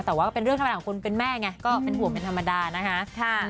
แต่ว่าก็เป็นเรื่องธรรมดาของคนเป็นแม่ไงก็เป็นห่วงเป็นธรรมดานะคะ